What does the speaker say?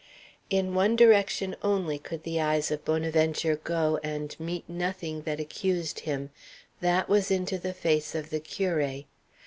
In one direction only could the eyes of Bonaventure go, and meet nothing that accused him: that was into the face of the curé.